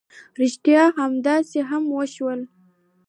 ريښتيا همداسې هم وشول.